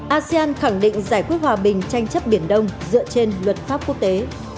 asean khẳng định giải quyết hòa bình tranh chấp biển đông dựa trên luật pháp quốc tế